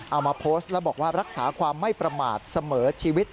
เอามาโพสต์แล้วบอกว่ารักษาความไม่ประมาทเสมอชีวิต